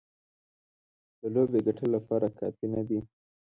د لوبې ګټلو لپاره کافي نه دي.